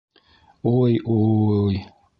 Уй-уй!